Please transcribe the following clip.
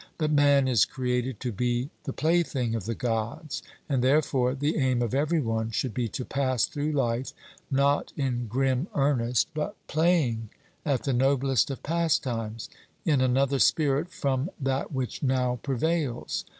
But man is created to be the plaything of the Gods; and therefore the aim of every one should be to pass through life, not in grim earnest, but playing at the noblest of pastimes, in another spirit from that which now prevails.